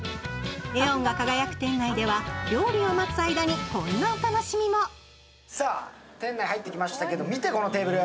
ネオンが輝く店内では料理を待つ間に、こんなお楽しみも店内入ってきましたけども、見て、このテーブル。